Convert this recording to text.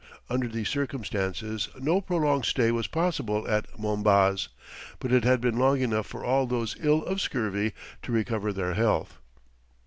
Under these circumstances no prolonged stay was possible at Mombaz, but it had been long enough for all those ill of scurvy to recover their health.